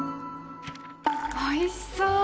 おいしそう！